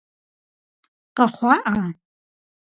Къэхъуа-Ӏа?